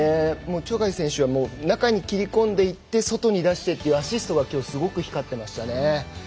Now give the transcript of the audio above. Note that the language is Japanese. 鳥海選手は中に切り込んでいって外に出してっていうアシストがきょうすごく光っていました。